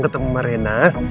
ketemu sama rena